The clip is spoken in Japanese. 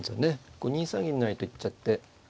こう２三銀成と行っちゃって。